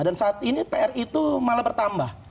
dan saat ini pr itu malah bertambah